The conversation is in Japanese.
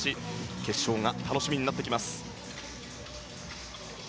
決勝が楽しみになってきます。